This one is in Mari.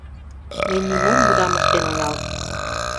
Ме нимом удам ыштен онал.